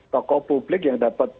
tokoh publik yang dapat